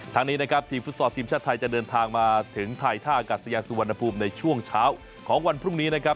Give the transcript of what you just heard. ทางนี้นะครับทีมฟุตซอลทีมชาติไทยจะเดินทางมาถึงไทยท่ากัศยาสุวรรณภูมิในช่วงเช้าของวันพรุ่งนี้นะครับ